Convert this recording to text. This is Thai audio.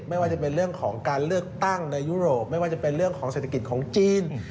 ไม่ว่าจะเป็นเรื่องของการเลือกตั้งในยุโรปไม่ว่าจะเป็นเรื่องของเศรษฐกิจของจีน